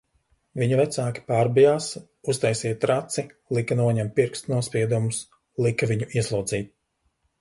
Viņa vecāki pārbijās, uztaisīja traci, lika noņemt pirkstu nospiedumus, lika viņu ieslodzīt...